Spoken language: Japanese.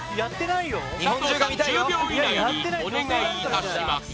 佐藤さん、１０秒以内にお願いいたします！